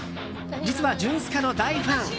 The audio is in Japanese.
実はジュンスカの大ファン。